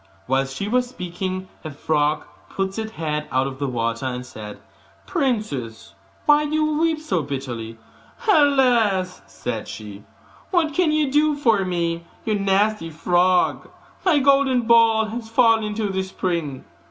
Whilst she was speaking, a frog put its head out of the water, and said, 'Princess, why do you weep so bitterly?' 'Alas!' said she, 'what can you do for me, you nasty frog? My golden ball has fallen into the spring.